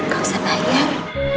gak usah bayar